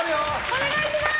お願いします。